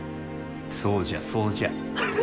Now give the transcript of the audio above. そうじゃそうじゃ。